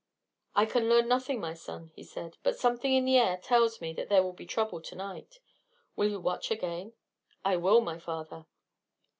"I can learn nothing, my son," he said; "but something in the air tells me that there will be trouble to night. Will you watch again?" "I will, my father."